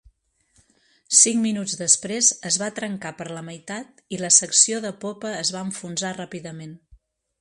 Cinc minuts després es va trencar per la meitat i la secció de popa es va enfonsar ràpidament.